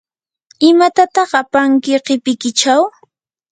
¿imatataq apanki qipikichaw?